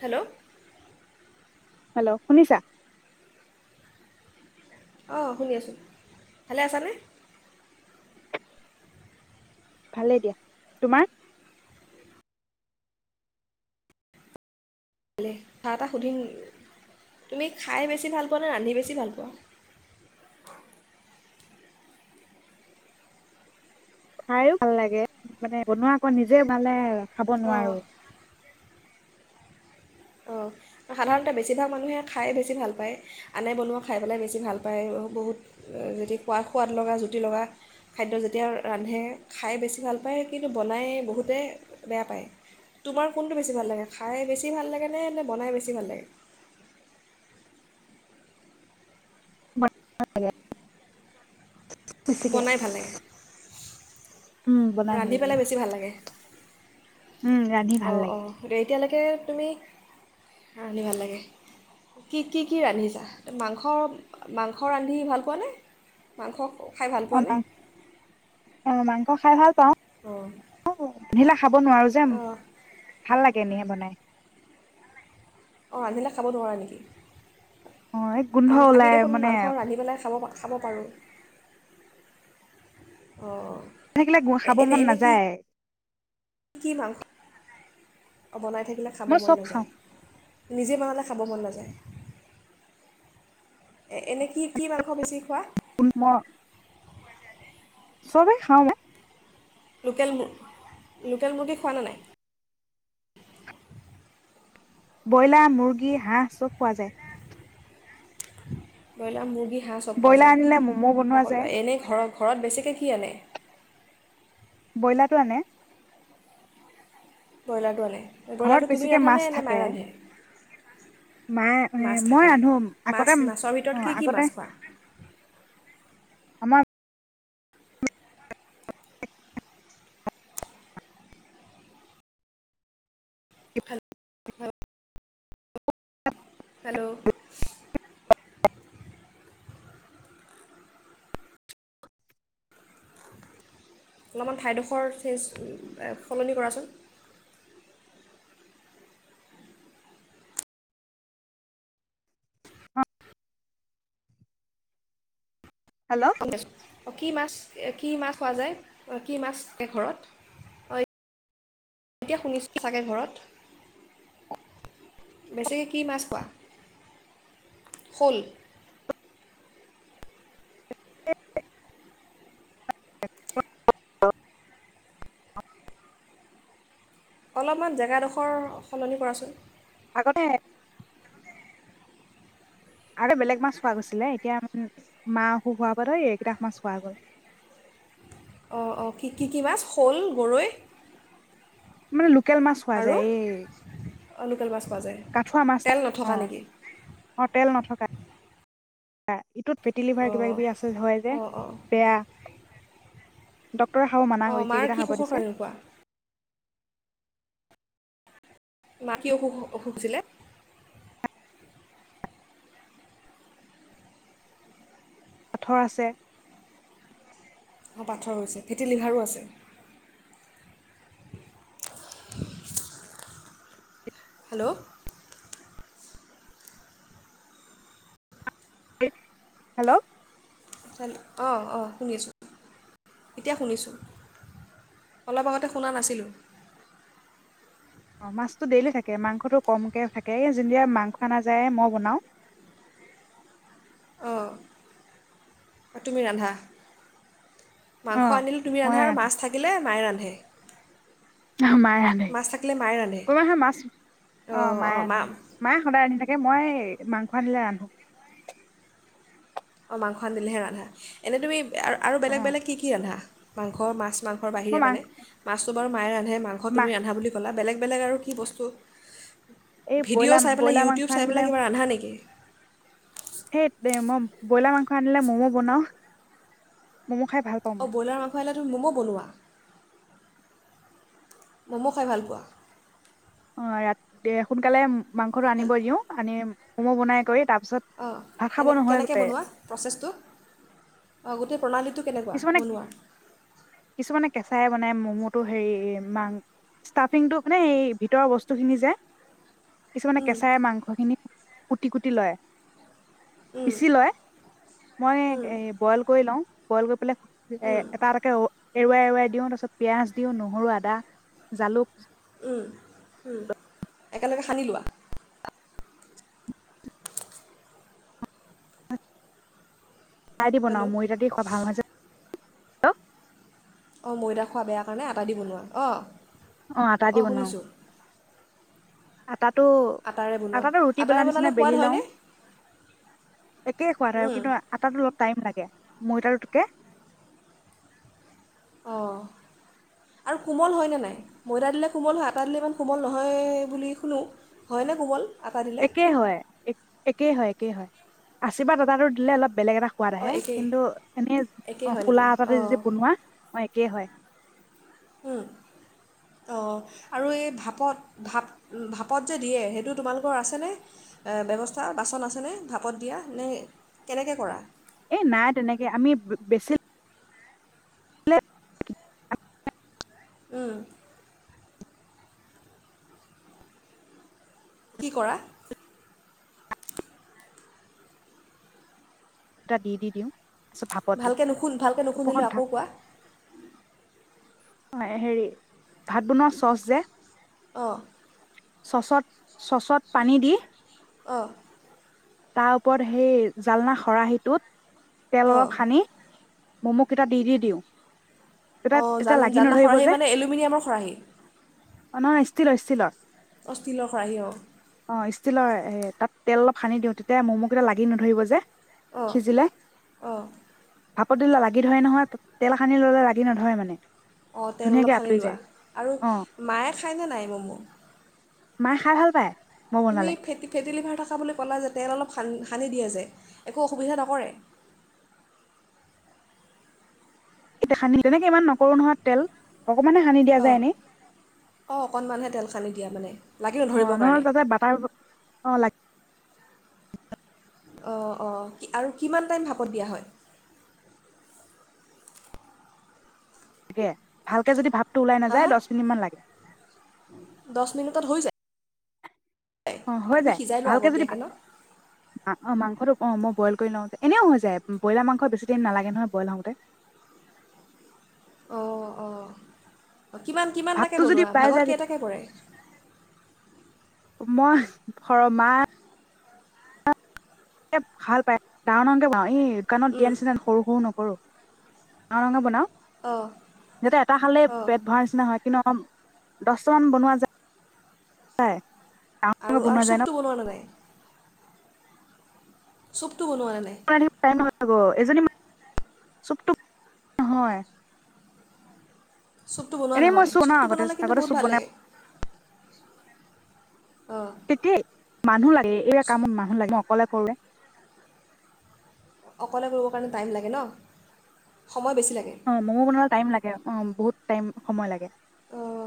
Hello hello শুনিছা? অঁ শুনি আছোঁ, ভালে আছানে? ভালেই দিয়া, তোমাৰ? ভালে। কথা এটা সুধিম, তুমি খাই বেছি ভাল পোৱা নে ৰান্ধি বেছি ভাল পোৱা? খাইও ভাল লাগে মানে বনোৱা আকৌ নিজে মানে খাব অঁ নোৱাৰো। অঁ সাধাৰণতে বেছিভাগ মানুহে খাই বেছি ভাল পায়, আনে বনোৱা খাই পেলাই বেছি ভাল পায় বহুত যদি খোৱা সোৱাদ লগা জুতি লগা খাদ্য যেতিয়া ৰান্ধে খাই বেছি ভাল পায় কিন্তু বনাই বহুতে বেয়া পায়। তোমাৰ কোনটো বেছি ভাল লাগে খাই বেছি ভাল লাগে? নে নে বনাই বেছি ভাল লাগে? সে [unintelligible] বনাই ভাল লাগে। উম বনাই ভাল ৰান্ধি লাগে। পেলাই বেছি ভাল লাগে উম ৰান্ধি ভাল লাগে। লৈকে তুমি, ৰান্ধি ভাল লাগে। কি কি কি ৰান্ধিছা? মাংস মাংস ৰান্ধি ভাল পোৱা নে মাংস? খাই ভাল অম পোৱানে পাওঁ [unintelligible] অঁ খাই ভাল পাওঁ। অঁ নিলাহ। খাব নোৱাৰো যেন, অঁ ভাল লাগে। কেনেই বনাই? অঁ ৰান্ধিলে খাব নোৱাৰা নেকি? অ এই [unintelligible] গোন্ধ আমি, আমি ওলাই দেখোন মানে মাংস ৰান্ধি পেলাই খাব, খাব পাৰোঁ। অঁ থাকিলে গো, এ- খাব এনে মন এনে কি নাযায়। কি ভাল অঁ বনাই থাকিলে খাব মই মন চব খাওঁ নাযায়। নিজে বনালে খাব মন নাযায়। এনে কি, কি মাংস বেছি খোৱা? চবে খাওঁ মই। লোকেল, লোকেল মুৰ্গী খোৱা নে নাই? ব্ৰইলাৰ, মুৰ্গী, হাঁহ চব খোৱা যায়। ব্ৰইলাৰ, মুৰ্গি হাঁহ চব খোৱা ব্ৰইলাৰ যায়। আনিলে ম'ম' বনোৱা যায় সকলোৱে এনেই ঘৰত ঘৰত বেছিকে কি আনে? ব্ৰইলাৰটো আনে। ব্ৰইলাৰটো আনে ব্ৰইলাৰটো ঘৰত তুমি বেছিকে মাছ ৰান্ধানে নে থাকে। মায়ে ৰান্ধে মায়ে এ, মাছ মই থাকে ৰান্ধো মাছ আগতে মাছৰ ভিতৰত অঁ, কি কি আগতে মাছ খোৱা আমাৰ হেল্ল' হেল্ল' অলপমান ঠাইডোখৰ চেন্জ, সলনি কৰাচোন। অ [inaudible] অ কি মাছ? [unintelligible] কি মাছ খোৱা যায়? কি মাছ থাকে ঘৰত? এতিয়া শুনিছোঁ চাগে, ঘৰত, বেছিকৈ কি মাছ খোৱা? শ'ল? অলপমান জেগাডোখৰ সলনি কৰাচোন। আগতে [unintelligible] আৰু বেলেগ মাছ খোৱা গৈছিলে। এতিয়া মা অসুখ হোৱাৰ পৰা এ ইকেইটা মাছ খোৱা গল। অঁ অঁ কি কি কি মাছ? শ'ল, গৰৈ? মানে ল লোকেল মাছ খোৱা আৰু যায়। এ, এই লোকেল মাছ পোৱা যায় কাঠুৱা মাছ তেল নথকা অঁ, নেকি তেল নথকা। হয়। ইটোত ফেটিলিভাৰ কিবা অঁ কিবি আছে হয় যে, অঁ অঁ বেয়া। ড [inaudible] ৰে খাব মানা অঁ কৰিছে, মাৰ কি এইকেইটা খাব অসুখৰ কাৰণে দিছে। নোখোৱা মা কি অসু অসুহ হৈছিলে? পাথৰ আছে। অ পাথৰ হৈছে, ফেটিলিভাৰো আছে। হেল্ল' হেল্ল' হেল অঁ অঁ! শুনিছোঁ। এতিয়া শুনিছোঁ। অলপ আগতে শুনা নাছিলোঁ। অ মাছটো ডেইলি থাকে, মাংসটো কমকে থাকে। এ যোনদিনা মাংস আনা যায় মই বনাওঁ। অঁ তুমি ৰান্ধা অ মাংস আনিলে তুমি মই ৰান্ধা আৰু মাছ থাকিলে মাই ৰান্ধে? সে অ মায়ে ৰান্ধে। কোনবা হয় মাছ অ অঁ মায়ে অঁ মা ৰান্ধে। মায়ে সদায় ৰান্ধি থাকে তাকে মই মাংস আনিলে ৰান্ধো অ মাংস আনিলেহে ৰান্ধা। এনে তুমি আৰু অ বেলেগ বেলেগ কি কি ৰান্ধা? মাংস, মাছ মাংসৰ বাহিৰে মই মাং মানে মাছটো বাৰো মায়ে ৰান্ধে মাংস মা তুমি ৰান্ধা বুলি ক'লা বেলেগ বেলেগ আৰু কি বস্তু এই ভিডিঅ' ব্ৰইলাৰ চাই পেলাই ব্ৰইলাৰ মাংস ইউটিউব চাই আনিলে পেলাই কিবা ৰান্ধা নেকি সেই দে মই ব্ৰইলাৰ মাংস আনিলে ম'মো বনাও ম'ম' খাই ভাল পাওঁ অঁ মই ব্ৰইলাৰ মাংস আনিলে মম বনোৱা ম'ম' খাই ভাল পোৱা অ ৰাতি দে সোনকালে মাংসটো আনিব দিও আনি ম'ম' বনাই কৰি তাত অঁ কেনে কেনেকে বনোৱা প্ৰচেছটো অ গোটেটো প্ৰণালী কেনেকুৱা কিছুমানে বনোৱা কিছুমানে কেঁচাই বনাই ম'ম'টো হেৰি বা ষ্টাফিংটো মানে এই ভিতৰৰ বস্তুখিনি যে কিছুমানে কেঁচাই মাংসখিনি কুটি কুটি লয় পিচি লয় মই এ বইল কৰি লওঁ বইল কৰি পেলাই এ এটা এটাকে ও এৰুৱাই এৰুৱাই দিওঁ তাৰ পিছত পিয়াঁজ দিওঁ, নহৰু, আদা, জালুক উম উম একেলগে সানি লোৱা চাই দি বনাও হেল্ল' ময়দা দি খোৱা ভাল হেল্ল অঁ ময়দা খোৱা বেয়া কাৰণে আটা দি বনাও অঁ অ', আতা দি অঁ বনাও। শুনিছোঁ আটাৰে বনোৱা আতাটো-আতাটো ৰুটি আটাৰে বেলাৰ বনালে নিচিনা সোৱাদ বেলি হয়নে লওঁ। একেই সোৱাদ আৰু উম, কিন্তু আতাটো লগ টাইম লাগে ময়দাৰটোকে, অঁ' আৰু কোমল হয়নে নাই ময়দা দিলে কোমল হয় আতা দিলে ইমান কোমল নহয় বুলি শুনো। হয়নে কোমল? আটা দিলে একে হয়, একে হয়। একেই হয় আশীৰ্বাদ আতাটো দিলে অলপ বেলেগ এটা সোৱাদ অঁ আহে একেই কিন্তু এনেই একেই অ হয় খোলা নেকি আতাৰে যদি বনোৱা, একেই হয়। উম, অঁ আৰু এই ভাপত-ভাপ-ভাপত যে দিয়ে সেইটো তোমালোকৰ আছেনে ব্যৱস্থা বাচন আছেনে ভাপত দিয়া নে কেনেকৈ কৰা। এ নাই তেনেকে আমি বেছি লে উম। কি কৰা? এটা দি-দি দিওঁ। তাৰপিছত ভাপত দিওঁ ভালকে নুু ভালকে উপৰখন নুশুনিলোঁ আকৌ থাক কোৱা। হেৰি ভাত বনোৱা চচ যে? অঁ' চচত-চচত পানী দি। অঁ তাৰ ওপৰত সেই জালনা খৰাহীটোত, তেল অঁ অলপ সানি, ম'ম', কেইটা দি-দি দিওঁ। তেতিয়া অঁ, তেতিয়া জাল লাগি জালনা নধৰিব খৰাহী যে মানে এলুমিনিয়ামৰ খৰাহী। অ' নহয় ষ্টিলৰ-ষ্টিলৰ। অ' ষ্টীলৰ খৰাহি অ'। অ' ষ্টীলৰ এ তাত তেল অলপ সানি দিওঁ। এতিয়া ম'ম' কেইটা লাগি নধৰিব যে। সিজিলে অঁ-অঁ, ভাপত দিলে লাগি ধৰে নহয়, তেল সানি ল'লে লাগি নধৰে মানে। অঁ' তেল ধুনীয়াকে অলপ সানি আঁতৰি লোৱা যায় আৰু অ মায়ে খায়নে নাই ম'ম'? মায় খাই ভাল পায়। মই তুমি বনালে ফেটি-ফেটি লিভাৰ থকা বুলি ক'লা যেতিয়া, তেল অলপ সানি দিয়ে যে, একো অসুবিধা নকৰে? এতিয়া সানি তেনেকে ইমান নকৰো নহয় তেল। অকমানে সানি দিয়া যায় এনেই অঁ-অঁ, অকণমানহে তেল সানি দিয়া মানে, লাগি অ' নধৰিবৰ কাৰণে নহলে তাতে বাটাৰো অ' লাগ অঁ-অঁ আৰু কিমান টাইম ভাপত দিয়া হয়? ভালকে যদি ভাপ টো ওলাই হা নাযায় হা দহ মিনিট মান লাগে। দহ মিনিটত হৈ যায় অ, হৈ তুমি যায়। সিজাই লোৱা ভালকে যদি ভা আগতীয়াকৈ ন অ মাং মাংসটো অঁ মই বইল কৰি লওঁ। এনেও হৈ যায় ব্ৰইলাৰ মাংস বেছি দেৰি নালাগে নহয় বইল হওঁতে। অঁ অঁ কিমান কিমানটাকৈ ভাপটো যদি বনোৱা ওলাই ভাগত যায় কেইটাকে পৰে? মই শৰ্মাই এ ভাল পায় ডাঙৰ ডাঙৰকে বনাও এই দোকানত দিয়া উম, নিচিনা সৰু সৰু ন কৰো ডাঙৰ ডাঙৰ বনাও। অ' যাতে এটা খালেই পেট ভৰাৰ নিচিনা হয় কিন্তু অ দচটামান বনোৱা যায়। ডাঙৰকে আৰু বনোৱা আৰু যায় ন চুপটো বনোৱা নে নাই চুপ াইম লাগ এজনী চুপটো নহয়। চুপটো বনোৱা এনেই মই নহয় চুপ বনাও চুপটো আগতে বনালে কিন্তু আগতে বহুত চুপ ভাল বনাই লাগে অঁ তেতি মানুহ লাগে, এ এয়া চু- কামত মানুহ লাগে মই অকলে কৰে, অকলে কৰিবৰ কাৰণে টাইম লাগে ন? সময় বেছি লাগে অ' মমো বনাবলৈ টাইম লাগে। অ' বহুত টাইম সময় লাগে। অঁ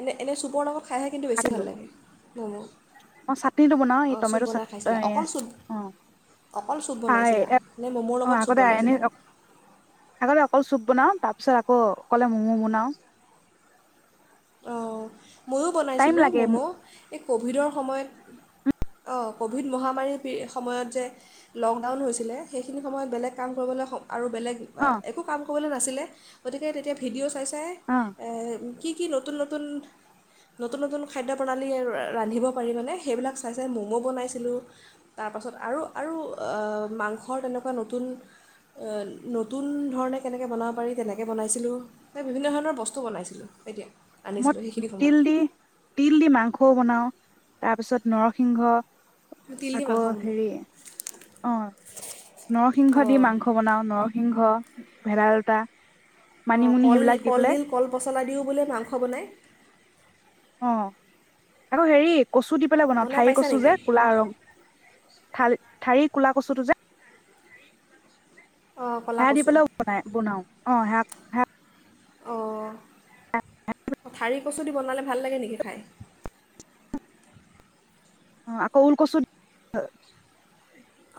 এনে এনে চুপৰ লগত খাইহে কিন্তু বেছি ভাল থাকিলো লাগে মমো। মই চাটনিটো বনাও এই অঁ চুপ টমেট' চাট বনাই অ খাইছিলা অকল চুপ অকল চুপ বনাইছিলা? নে মমো অ লগত চুপ আগতে এনে বনাইছিলা? আগতে অকল চুপ বনাও, তাৰ পিছত আকৌ অকলে মমো বনাও। অ'। ময়ো টাইম বনাইছিলোঁ লাগে ম'ম' এই ক'ভিডৰ সময়ত, অঁ ক'ভিড মহামাৰীৰ সময়ত যে লকডাউন হৈছিলে সেইখিনি সময়ত বেলেগ কাম কৰিবলৈ আৰু বেলেগ অ একো কাম কৰিবলৈ নাছিলে। গতিকে তেতিয়া ভিডিঅ' চাই যে অ কি নতুন নতুন নতুন নতুন খাদ্য প্ৰণালী ৰান্ধিব পাৰি মানে সেইবিলাক চাই চাই ম'ম' বনাইছিলোঁ। তাৰপাছত আৰু আৰু মাংসৰ তেনেকুৱা নতুন নতুন ধৰণে কেনেকৈ বনাব পাৰি তেনেকে বনাইছিলোঁ। এই বিভিন্ন ধৰণৰ বস্তু বনাইছিলোঁ তেতিয়া। মই তিল দি তিল দি মাংসও বনাও। তাৰ পিছত নৰসিংহ তিল দি আকৌ মাংস বনোৱা। হেৰি অ নৰসিংহ দি অঁ মাংস বনাওঁ নৰসিংহ সিংহ ভেদাইলতা অ মানিমুনি কল সেইবিলাক দি পেলাই কলডিল, কল পচলা দিওঁ বোলে মাংস বনায়? অ আকৌ হেৰিত কচু দি পেলাই বনাওঁ। বনাই ঠাৰি পাইছা কচু নেকি যে? ক'লা ৰং ঠালি ঠাৰি কোলা কচুটো যে অঁ ক'লা সেয়া দি কচু পেলাইও বনাই বনাও অ সেয়াক হ অ' পথাৰি কচুদি বনালে ভাল লাগে নেকি খায়? অ আকৌ ওল কচু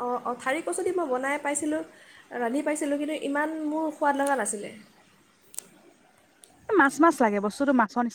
অ অ ঠাৰি কচুদি মই বনাই পাইছিলোঁ ৰান্ধি পাইছিলোঁ কিন্তু ইমান মোৰ সোৱাদ লগা নাছিলে মাছ মাছ লাগে বস্তুতো মাছৰ নিচনা